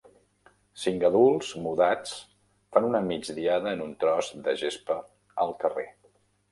Cinc adults mudats fan una migdiada en un tros de gespa al carrer.